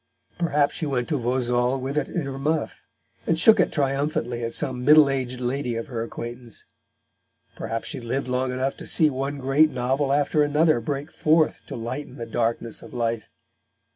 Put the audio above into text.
Perhaps she went to Vauxhall with it in her muff, and shook it triumphantly at some middle aged lady of her acquaintance. Perhaps she lived long enough to see one great novel after another break forth to lighten the darkness of life.